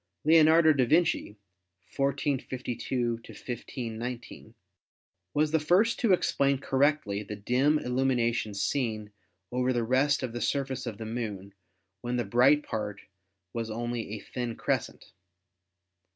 Leonardo da Vinci (1452 1519) was the first to explain correctly the dim illumination seen over the rest of the surface of the Moon when the bright part was only a thin crescent.